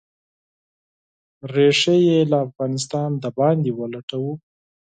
ریښې یې له افغانستانه د باندې ولټوو.